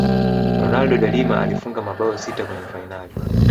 ronaldo de Lima alifunga mabao sita kwenye fainali